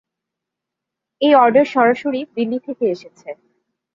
এই অর্ডার সরাসরি দিল্লি থেকে এসেছে।